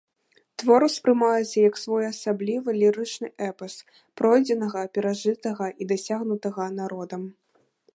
Твор успрымаецца як своеасаблівы лірычны эпас пройдзенага, перажытага і дасягнутага народам.